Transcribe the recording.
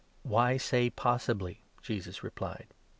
" "Why say 'possibly'?" Jesus replied.